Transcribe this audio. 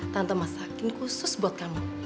tante masakin khusus buat kamu